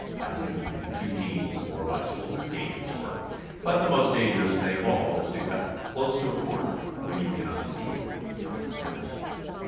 Passing between two teams or bicycles is dangerous work, but the most dangerous thing of all is to cut close to a corner when you cannot see what may be coming around it.